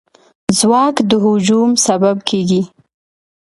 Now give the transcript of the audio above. ځواک د هجوم سبب کېږي.